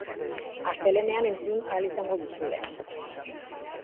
Astelehenean entzun ahal izango duzue.